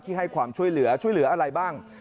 ให้ความช่วยเหลือช่วยเหลืออะไรบ้าง